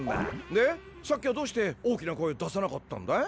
でさっきはどうして大きな声を出さなかったんだい？